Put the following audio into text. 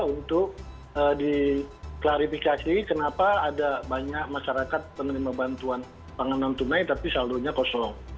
untuk diklarifikasi kenapa ada banyak masyarakat penerima bantuan pangan non tunai tapi saldonya kosong